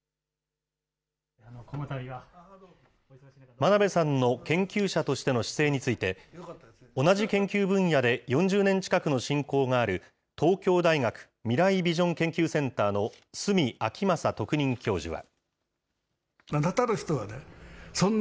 真鍋さんの研究者としての姿勢について、同じ研究分野で４０年近くの親交がある、東京大学未来ビジョン研究センターの住明正特任教授は。